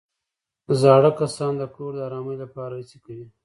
زاړه کسان د کور د ارامۍ لپاره هڅې کوي